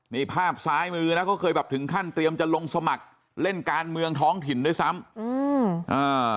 นี่ภาพซ้ายมือนะเขาเคยแบบถึงขั้นเตรียมจะลงสมัครเล่นการเมืองท้องถิ่นด้วยซ้ำอืมอ่า